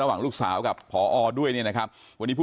เชิงชู้สาวกับผอโรงเรียนคนนี้